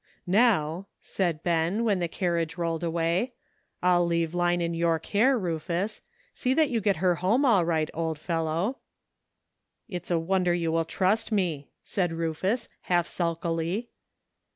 " Now," said Ben, when the carriage rolled away, " I'll leave Line in your care, Rufus ; see that you get her home all right, old fellow." " It's a wonder you will trust me," said Rufus, half sulkily.